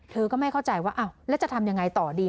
ก็ไม่เข้าใจว่าอ้าวแล้วจะทำยังไงต่อดี